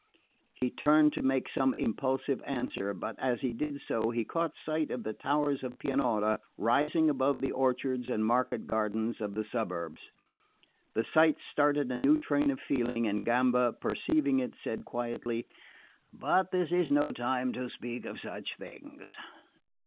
He turned to make some impulsive answer; but as he did so he caught sight of the towers of Pianura rising above the orchards and market gardens of the suburbs. The sight started a new train of feeling, and Gamba, perceiving it, said quietly: "But this is no time to speak of such things."